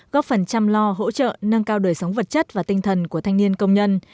góp phần chăm lo hỗ trợ nâng cao đời sống vật chất và tinh thần của thanh niên công nhân